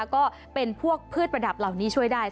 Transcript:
ก็เป็นพวกพืชประดับเหล่านี้ช่วยได้